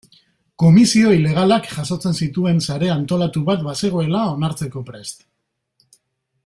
Komisio ilegalak jasotzen zituen sare antolatu bat bazegoela onartzeko prest.